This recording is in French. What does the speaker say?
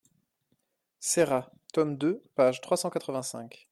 Serra, tome II, page trois cent quatre-vingt-cinq.